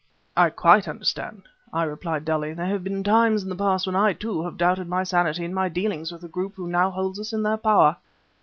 "I quite understand," I replied dully. "There have been times in the past when I, too, have doubted my sanity in my dealings with the group who now hold us in their power."